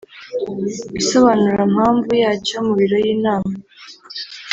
Isobanurampamvu yacyo muri biro y inama